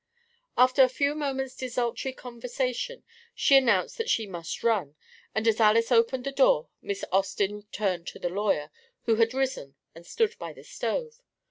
After a few moments' desultory conversation, she announced that she "must run," and as Alys opened the door, Miss Austin turned to the lawyer, who had risen and stood by the stove.